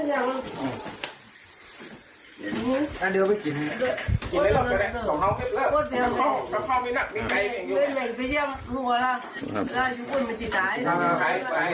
นายภาพนั้นด้วยเป็นวีโอค่ะ